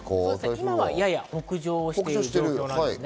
今はやや北上してる状態です。